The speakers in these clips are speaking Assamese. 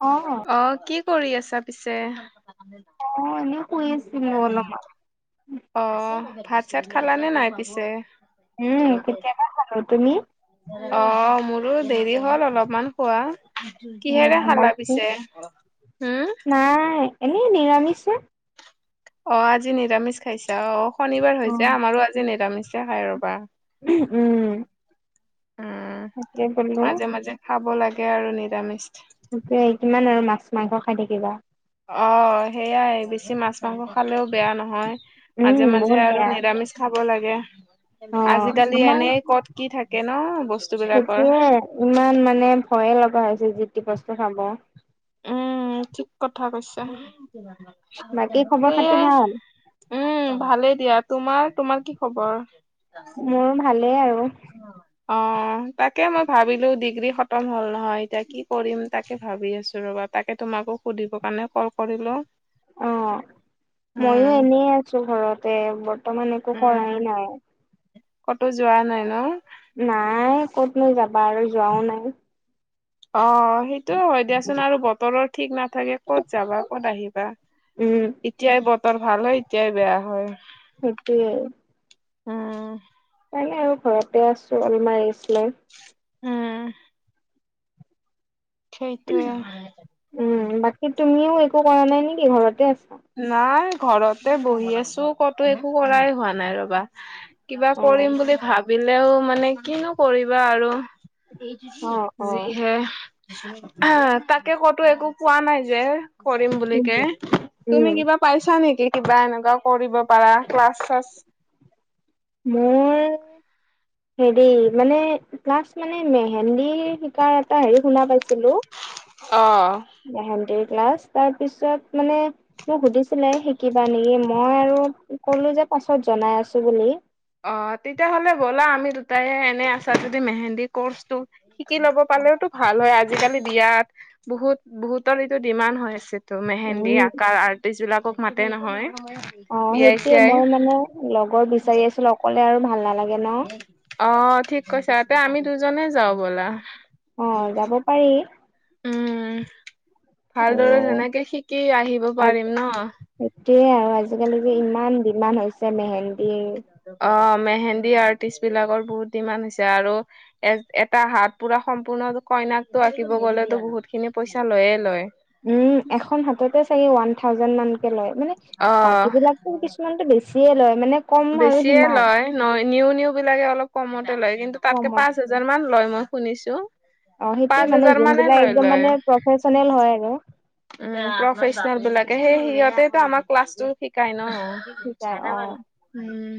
অ। অ কি কৰি আছা পিছে? অ এনে শুই আছো। অ ভাত চাত খালানে নাই পিছে? উম দে-দে, কেতিয়াবা খালো অ। তুমি অঁ, মোৰো দেৰি হ'ল অলপমান খোৱা। অ কিহেৰে খালা বাকী পিছে হম? নাই এনেই নিৰামিচ হে। অ আজি নিৰামিচ খাইছা। অ শনিবাৰ অ হৈ যে আমাৰো আজি নিৰামিচে খাই ৰবা। উম উম। উম, তাকে বোলো মাজে মাজে খাব লাগে আৰু নিৰামিচ। থিকেই কিমান আৰু মাছ মাংস খাই থাকিবা। অ সেইয়াই বেছি মাছ মাংস খালেও বেয়া নহয়। উম মাজে মাজে বহুত আৰু বেয়া নিৰামিচ খাব লাগে। অ আজিকালি আমাৰ এনেই ক'ত কি থাকে ন বস্তু বিলাকৰ। সেইটোয়ে ইমান মানে ভয়ে লগা হৈছে যি টি বস্তু খাব। উম, ঠিক কথা কৈছা, বাকী খবৰ খাতি সেয়াই। ভাল উম ভালেই দিয়া, তোমাৰ-তোমাৰ কি খবৰ? মোৰো ভালেই আৰু। অ। অ তাকে মই ভাবিলোঁ ডিগ্ৰী খতম হ'ল নহয় এতিয়া কি কৰিম তাকে ভাবি আছোঁ ৰ'বা তাকে তোমাকো সুধিব কাৰণে কল কৰিলোঁ। অ ময়ো এনে আছো ঘৰতে বৰ্তমান একো কৰাই উম, নাই। ক'তো যোৱা নাই ন? নাই ক'ত নো যাবা আৰু যোৱাই নাই। অ সেইটো হয় দিয়াচোন, আৰু বতৰৰ ঠিক নাথাকে ক'ত যাবা, ক'ত আহিবা। উম এতিয়াই বতৰ ভাল হয় এতিয়াই বেয়া হয়। সেইটোৱে উম, তাকে আৰু ঘৰতে আছো অলমান ৰেষ্ট লৈ। উম। সেইটোৱে। উম বাকী তুমিও একো কৰা নাই নেকি ঘৰতে আছা? নাই ঘৰতে বহি আছো কতো একো কৰাই হোৱা নাই ৰবা। কিবা অ কৰিম বুলি ভাবিলেও মানে কিনো কৰিবা আৰু। অ অ যিহে, তাকে কতো একো পোৱা নাই যে। কৰিম বুলি উম কে। তুমি উম, কিবা পাইছা নেকি কিবা এনেকুৱা কৰিব পাৰা ক্লাছ চাছ মোৰ হেৰি মানে ক্লাছ মানে মেহেন্দী শিকাৰ এটা হেৰি শুনা পাইছিলো অ। মেহেন্দিৰ ক্লাছ, তাৰ পিছত মানে মোক সুধিছিলে শিকিবা নি, মই আৰু কলো যে পাছত জনাই আছো বুলি। অ তেতিয়াহ'লে ব'লা আমি তাকে এনে আছা যদি মেহেন্দী কৰ্চটো শিকি ল'ব পালেওতো ভাল হয় আজিকালি বিয়াত বহুত বহুতৰ এইটো ডিমান হৈ আছে। তো মেহেন্দী উম আকাৰ আৰ্টিষ্ট বিলাকক মাতে নহয়। অ বিয়াই সেইটোৱে চিয়াই মই মানে লগৰ বিচাৰি আছিলোঁ, অকলে আৰু ভাল নালাগে ন। অ ঠিক কৈছা তে আমি দুজনে যাওঁ ব'লা। অ যাব পাৰি উম ভালদৰে আৰু যেনেকে শিকি আহিব পাৰিম ন। সেইটোয়ে আৰু আজিকালি যে ইমান ডিমান হৈছে মেহেন্দিৰ। অ মেহেন্দী আৰ্টিষ্ট বিলাকৰ বহুত ডিমাণ্ড হৈছে আৰু এ এটা হাত পুৰা সম্পূৰ্ণ কইনাকটো আঁকিব গ'লেতো বহুত খিনি পইচা লয়ে লয়। উম এখন হাততে চাগে ওৱান থাউজেণ্ড মানকে লয়, মানে অ বাকীবিলাক কিছুমানটো বেছিয়ে লয় মানে কম আৰু বেছিয়ে সিমান লয় ন নিউ নিউ বিলাকে অলপ কমতে লয় কিন্তু তাতকে কমত। পাচ হাজাৰ মান লয় মই শুনিছো। অ', সেইটোয়ে পাঁচ হাজাৰ মানে যোনবিলাক লয় একদম লয়। মানে প্ৰফেচনেল হয় আৰু উম প্ৰফেচনেল বিলাকে সেই সিহঁতেতো আমাক ক্লাছটো শিকাই ন। শিকাই অ। উম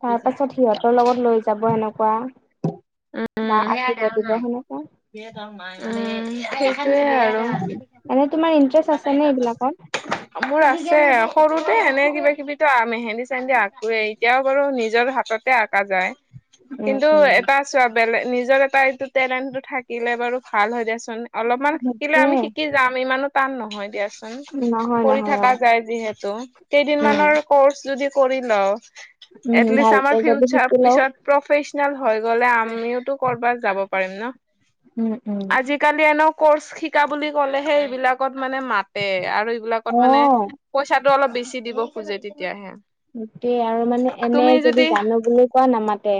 তাৰ থিকে। পাছত সিহঁতৰ লগত লৈ যাব সেনেকুৱা বা আশীৰ্বাদ দিব সেনেকুৱা। উম সেইটোয়ে আৰু। এনে তোমাৰ ইন্টেৰেষ্ট আছে নে এইবিলাকত। মোৰ আছে সৰুতে এনে কিবা কিবি তো মেহেন্দি চেহেন্দী আঁকোৱেই। এতিয়াও বাৰু নিজৰ হাততে আঁকা যায়, উম, কিন্তু উম। এটা চোৱা বেলেগ নিজৰ এটা এইটো টেলেণ্টটো থাকিলে বাৰু ভাল হৈ দিয়াচোন। অলপমান শিকিলে সেইটোয়ে আমি শিকি যাম, ইমানো টান নহয় দিয়া। নহয় কৰি নহয় থাকা অ', যায় যিহেতু কেইদিন উম, মানৰ কৰ্চ যদি কৰি লও উম, এটলিষ্ট আমাৰ ভালকে যদি ফিউচাৰ শিকি লওঁ পিছত প্ৰফেচনেল হৈ গ'লে আমিওতো কৰবাত যাব পাৰিম ন? উম উম। কালি এনেও কৰ্চ শিকা বুলি ক'লেহে এইবিলাকত মানে মাতে আৰু এইবিলাকত মানে অ'। পইচাটো অলপ বেছি দিব খোজে তেতিয়াহে। গোটেই আৰু মানে এনে যদি জানো বুলি কোৱা নামাতে।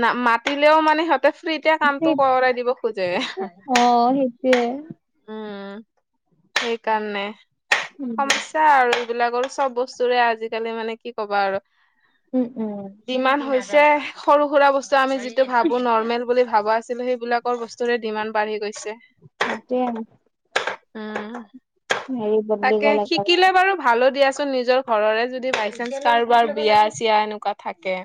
না মাতিলেও মানে সিহঁতে ফ্ৰীতে কামটো কৰাই দিব খোজে। অ সেইটোৱে। উম সেইকাৰণে উম সমস্ স্যা আৰু এইবিলাকৰ চব বস্তুৰে আজিকালি মানে কি ক'বা আৰু। উম উম। ডিমান হৈছে সৰু সুৰা বস্তু আমি যিটো ভাবো নৰ্মেল বুলি ভাবা আছিলো সেইবিলাকৰ বস্তুৰে ডিমান বাঢ়ি গৈছে। সেইটোৱে উম হেৰি বদলি তাকে গ'ল একেবাৰে। শিকিলে বাৰু ভালো দিয়াচোন নিজৰ ঘৰৰে যদি বাইচেন্স কাৰোবাৰ বিয়া চিয়া এনেকুৱা থাকে।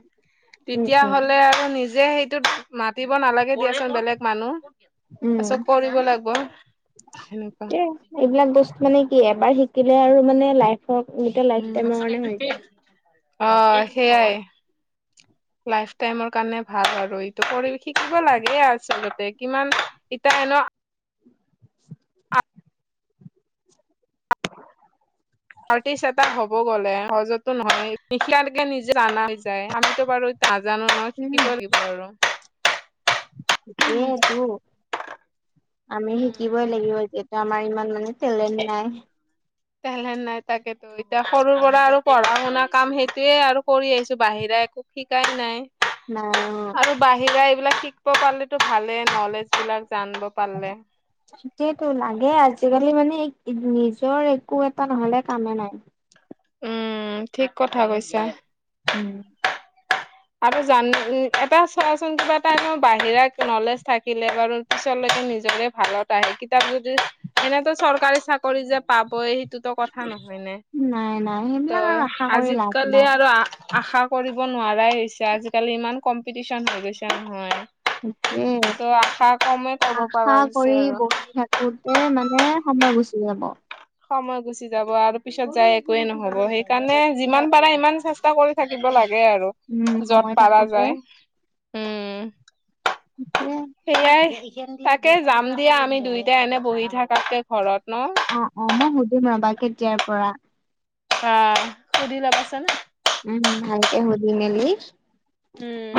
উম তেতিয়া উম হ'লে আৰু নিজে সেইটোত মাতিব নালাগে দিয়াচোন বেলেগ মানুহ। উম পাছত কৰিব লাগিব সেনেকুৱা। এ এইবিলাক বস্তু মানে কি এবাৰ শিকিলে আৰু মানে লাইফত, গোটে লাইফ টাইমৰ কাৰণে হৈ যায়। উম। অ সেয়াই। লাইফ টাইমৰ কাৰণে ভাল আৰু এইটো কৰি শিকিব লাগে আচলতে কিমান ইটা এনেও অ। আৰ্টিষ্ট এটা হ'ব গ'লে সহজতো নহয়। নিচিনালৈকে [unintelligible] নিজে জানা হৈ যায়। আমিতো বাৰু নাজানো নহয় উম শিকিব লাগিব আৰু। সেয়ে তো, আমি উম শিকিবই লাগিব এতিয়া। আমাৰ ইমান মানে তেলেন নাই। তেলেন্ট নাই তাকেতো। ইটা সৰুৰ পৰা আৰু পঢ়া শুনা কাম সেইটোয়ে আৰু কৰি আহিছো বাহিৰা একো শিকাই নাই। নাই অহ। আৰু বাহিৰা এইবিলাক শিকিব পাৰলেতো ভালেই, নলেজ বিলাক জানিব পাৰলে। সেইটোৱে টো লাগে আজিকালি মানে নিজৰ একো এটা নহলে কামে নাই। উম, ঠিক কথা কৈছা। উম। আৰু জান এটা চোৱাচোন, কিবা এটা বাহিৰা নলেজ থাকিলে বাৰু পিছলৈতো নিজৰে ভালত আহে। কিতাবা যদি এনেতো চৰকাৰী চাকৰি যে পাবই সেইটো ত কথা নহয় নে, নাই নাই তো সেইবিলাক আৰু আশা কৰি লাভ আজিকালি নাই। আৰু আশা কৰিব নোৱাৰাই হৈছে। আজিকালি ইমান কম্পিটিচন হৈ গৈছে নহয়। সেইটোৱে তো আশা কমেই কব পাৰা হৈছে আৰু। কওতে মানে সময় গুচি যাব। সময় গুচি যাব আৰু পিছত যাই একোৱে নহব। সেইকাৰণে যিমান পাৰা ইমান চেষ্টা কৰি থাকিব লাগে আৰু উম সময় যত পাৰা থাকোতে যায়। উম। সেইটোৱে। সেয়াই। তাকে যাম দিয়া আমি দুইটাই এনে বহি থাকাতকে ঘৰত ন। অ অ মই সুধিম ৰবা কেতিয়াৰ পৰা। অ সুধি ল'বা চোন। উম ভালকে শুদি মেলি উম।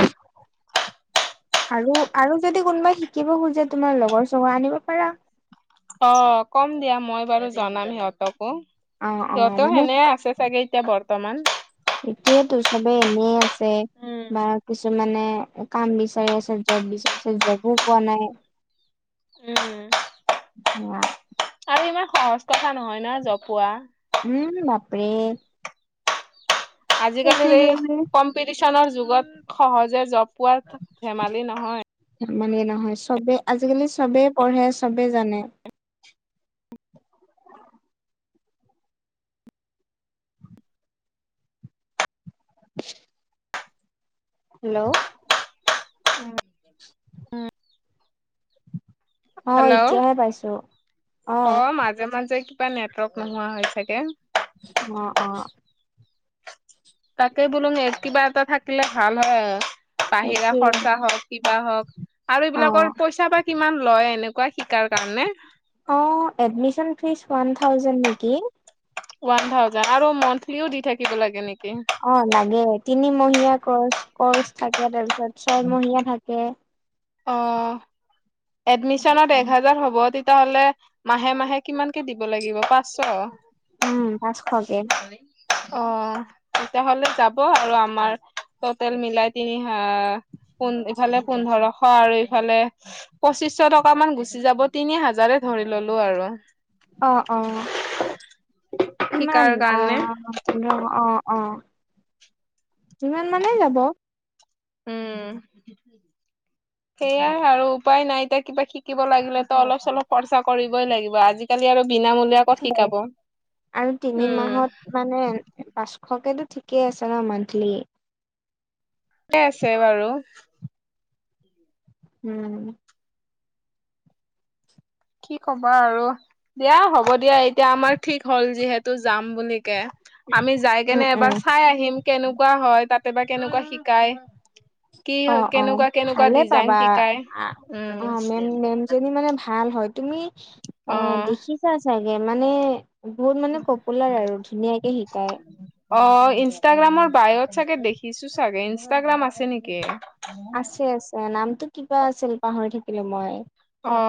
আৰু আৰু যদি কোনোবাই শিকিব খোজে তোমাৰ লগৰ চগৰ আনিব পাৰা। অ কম দিয়া মই বাৰু জনাম সিহঁতকো। অ অ সিহঁতও মানে এনে আছে চাগে এতিয়া বৰ্তমান। এতিয়াতো চবে এনে আছে বা উম কিছুমানে কাম বিচাৰি আছে, জব বিচাৰি আছে। জবো পোৱা নাই। উম। উম [unintelligible] আৰু ইমান সহজ কথা নহয় না জব পোৱা। উম বাপৰে। আজিকালিৰ এই আজিকালি কম্পিটিচনৰ যুগত সহজে জব পোৱা ধেমালি নহয়। মানে নহয় চবে আজিকালি চবেই পঢ়ে চবে জানে। [inaudible] হেলো! [inaudible] অ হেল্ল', এতিয়াহে পাইছো অ অহ মাজে মাজে কিবা নেটৱৰ্ক নোহোৱা হয় চাগে। অ অ। তাকে বোলো [unintelligible] কিবা এটা থাকিলে ভাল হয় আৰু বাহিৰা সেইটোৱে খৰচা হওক। কিবা হওক আৰু অ এইবিলাকৰ পইচা বা কিমান লয় এনেকুৱা শিকাৰ কাৰণে। অ' এডমিচন ফিচ ওৱান থাউজেন্ড নেকি। ওৱান থাউজেন্ড আৰু মান্থলিও দি থাকিব লাগে নেকি? অ' লাগে তিনিমহীয়া কৰ্চ, কৰ্চ থাকে তাৰপিছত ছয়মহীয়া থাকে। অ' এডমিশনত এক হাজাৰ হ'ব তে তেতিয়াহলে মাহে-মাহে কিমানকে দিব লাগিব পাঁচশ? উম, পাঁচশ খকে। অ'। তেতিয়াহলে যাব আৰু আমাৰ টটেল মিলাই তিনি হা [unintelligible] ইফালে পোন্ধৰ। আৰু ইফালে পঁচিশ টকা মান গুচি যাব তিনি হাজাৰে ধৰি ললো আৰু। অ', অ' ইমান শিকাৰ কাৰণে অ'। পোন্ধৰশ অ', অ' সিমান মানেই যাব। উম। সেইয়াই আৰু উপায় নাই এতিয়া কিবা শিকিব লাগিলেতো অলপ চলপ খৰ্চা কৰিবই লাগিব আজি আজিকালি আৰু বিনামূলীয়া ক'ত শিকাব আৰু তিনি উম। মাহত মানে পাঁচশকেতো ঠিকে আছে ন মান্থলী? ঠিকে আছে বাৰু। হম। কি কবা আৰু দিয়া হ'ব দিয়া এতিয়া আমাৰ ঠিক হ'ল যিহেতু যাম বুলি কে। আমি যাই উম কেনে উম এবাৰ চাই আহিম কেনেকুৱা হয় তাতে বা কেনেকুৱা শিকাই। কি অ', অ' কেনেকুৱা কেনেকুৱা ভালে ডিজাইন পাবা শিকাই উম অ' মেম মেম যনি মানে ভাল হয় তুমি অ' দেখিছা চাগে মানে বহুত মানে পপুলাৰ আৰু ধুনীয়াকে শিকাই। অ, ইনষ্টাগ্ৰামৰ বায়ত চাগে দেখিছো চাগে ইনষ্টাগ্ৰাম আছে নেকি? আছে-আছে নামটো কিবা আছিল পাহৰি থাকিলোঁ মই।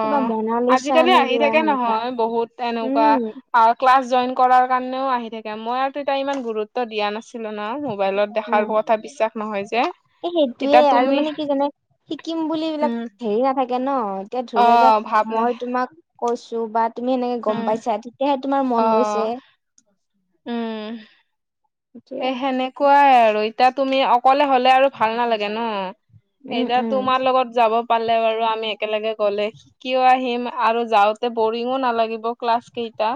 কিবা মনালিচা আজিকালি নে আহি কিবা থাকে সেনেকুৱা নহয় বহুত এনেকুৱা। উম, আৰু ক্লাছ জইন কৰাৰ কাৰণেও আহি থাকে মই আৰু তেতিয়া ইমান গুৰুত্ব দিয়া নাছিলো ন মোবাইলত। দেখাৰ কথা বিশ্বাস নহয় যে। এ সেইটোয়ে এতিয়া আৰু তুমি মানে কি যানা শিকিম বুলি এইবিলাক উম হেৰি নাথাকে ন। এতিয়া ধৰি অ লোৱা যে ভাৱ না মই তোমাক কৈছো বা তুমি এনেকে গম উম পাইছা তেতিয়াহে তোমাৰ অ মন গৈছে। উম এ এতিয়া সেনেকুৱাই আৰু এতিয়া তুমি অকলে হলে আৰু ভাল নালাগে ন। উম, এতিয়া উম। তোমাৰ লগত যাব পালে বাৰু আমি একেলগে গলে কিয় আহিম আৰু যাওঁতে বোৰিংও নালাগিব ক্লাছ কেইটা।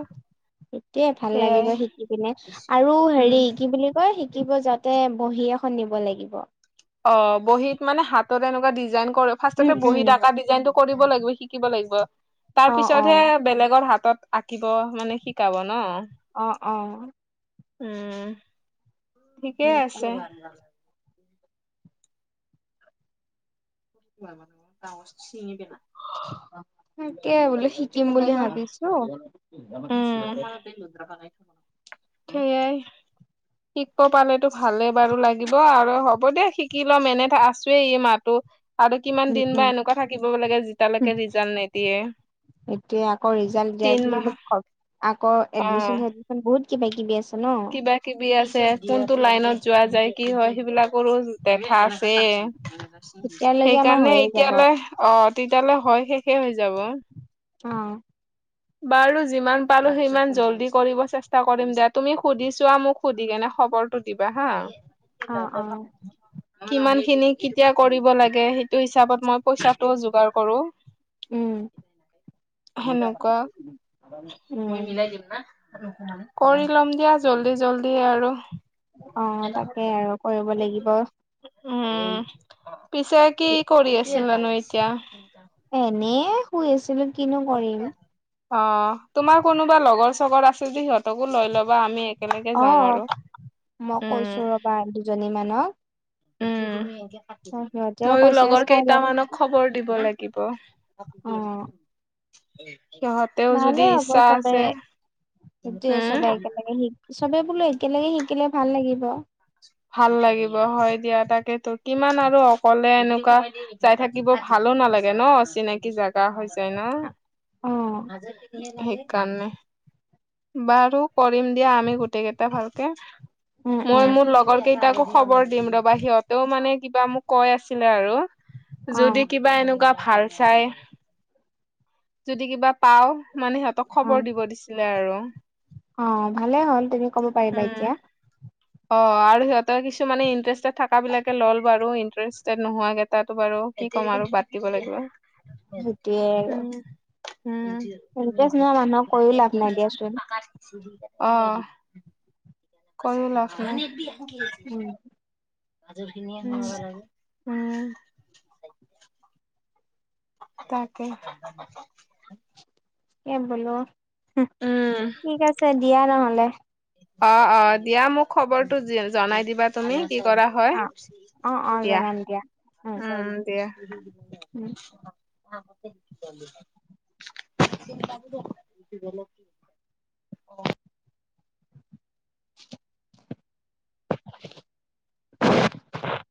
সেইটোয়ে ভাল সেয়াই লাগিব শিকি পিনে আৰু উম হেৰি কি বুলি কয় শিকিব যাত তে বহি এখন নিব লাগিব। অ' বহীত মানে হাতত এনেকুৱা ডিজাইন কৰে উম ফাৰ্ষ্টতে উম। বহীত আকা ডিজাইন টো কৰিব লাগিব শিকিব লাগিব অ তাৰ অ পিছতহে বেলেগৰ হাতত আঁকিব মানে শিকাব ন। অ', অ। উম, ঠিকেই সেনেকুৱা আছে। ডাঙৰ এটা চিঙ বেনা। হা আ আ অ তাকে বোলো কি শিকিম বুলি কয় ভাবিছো তেওঁ আমাক বেচিলে তেওঁ আমাক বেচিলে যে ইয়াতে ৰুদ্ৰাক্ষ নাই কোনো সেইয়াই। শিকব পালেতো ভালেই বাৰু লাগিব আৰু হ'ব দে শিকি লম এনেটো আছোৱেই এই মাহটো। আৰু কিমান উম দিন উম। বা এনেকুৱা থাকিব লাগে হুম। যেতিয়ালৈকে ৰিজাল্ট নিদিয়ে। এতিয়া আকৌ ৰিজাল্ট দিয়াৰ তিন মাহ পিছত অলপ আকৌ অ এডমিশ্যন এডমিশ্যন বহুত কিবা কিবি আছে‌। কিবা কিবি আছে কোনটো লাইনত যোৱা যায় কি হয় সেইবিলাকৰো দেখা আছে আ হা হুম হুম তেতিয়ালৈকে আমাৰ সেইকাৰণে হৈয়ে যাব। এতিয়ালৈ অ তেতিয়ালৈ হয় শেষে হৈ যাব। চ অ অ অ বাৰু যিমান পালো সিমান জল্দি কৰিব চেষ্টা কৰিম দিয়া তুমি সুধিছোৱা মোক। সুধি কেনে খবৰটো দিবা হা [unintelligible] অ অ আমাৰ কিমান খিনি কেতিয়া কৰিব লাগে সেইটো হিচাপত মই পইচাটো যোগাৰ কৰো। চুচ উম ডিফাৰেণ্ট নাইখে সেনেকুৱা ছিছ উম তুমি মিলাই এই দিম না নকঁও আমি, কৰি ল'ম দিয়া জল্দি জল্দি আৰু অ অ তাকেই আৰু কৰিব লাগিব। উম উ উ পিছে কি কৰি আছিলানো এতিয়া উম এনেই শুই আছিলো কিনো কৰিম। অ অ তোমাৰ কোনোবা লগৰ-চগৰ আছে যদি সিহঁতকো লৈ ল'বা আমি একেলগে অ যাম অ আৰু মই উম কৈছো ৰবা দুজনী মানক। উম উ উ উ বৰলীয়া আজি আঠ কেজি সিহঁতেও মইয়ো কৈছে লগৰ চাই লওঁ কেইটামানক খবৰ দিব লাগিব। [unintelligible] চু অ এই এই সিহঁত ভালে হ'ব চবে সেইটোৱে চবে উম একেলগে শিক চবে বোলো একেলগে শিকিলে ভাল লাগিব। ভাল লাগিব হয় দিয়া তাকেতো কিমান আৰু অকলে এনেকুৱা হয় দি চাই থাকিব ভালো নালাগে ন চিনাকি জাগা হৈছে। তাই ন অ আজিৰ কেইদিনে সেইকাৰণে বাৰু কৰিম দিয়া আমি গোটেই কেইটা ভালকে আ আ উম মই উম মোৰ লগ কেইটাকো খবৰ দিম ৰবা সিহঁতেও মানে কিবা মোক কৈ আছিলে আৰু অ যদি কিবা এনেকুৱা ভাল চাই যদি কিবা পাও মানে সিহঁতক খবৰ দিব দিছিলে আৰু অ অ ভালে হল তুমি ক'ব পাৰিবা উম এতিয়া। অ আৰু সিহঁতৰ কিছুমানে ইন্টাৰেষ্টেড থাকা বিলাকে ল'ল বাৰু ইণ্টাৰেষ্টেড নোহোৱাকেইটাতো বাৰু কি ক'ম আৰু বাদ দিব লাগিব। সেইটোৱে আৰু উম ইণ্টাৰেষ্ট নোহোৱা মানুহক কৈয়ো লাভ নাই দিয়াচোন। অহ কৈয়ো লাভ নাই আমি এক বি আমও খেয়েছি। উম গাজৰ খিনিয়ে উম উ উ খাবলৈ লাগে উম উ উ ঠক ঠক তাকেই ঠক ঠক ঠক ঠক। এ বোলো হুম উম, ঠিক আছে দিয়া নহলে। আ আ অ অ দিয়া মোক খবৰটো যি জনাই দিবা তুমি কি কৰা। হয় অ উফ সি ই অ অ ই দিয়া জনাম উম উ উ দিয়া উমহু হু হু। উম উ। অ [unintelligible] [unintelligible] [unintelligible]